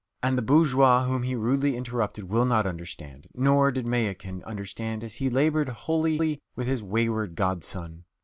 And the bourgeois whom he rudely interrupted will not understand. Nor did Mayakin understand as he laboured holily with his wayward godson.